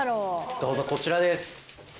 どうぞこちらです。